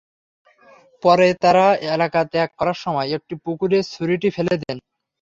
পরে তাঁরা এলাকা ত্যাগ করার সময় একটি পুকুরে ছুরিটি ফেলে দেন।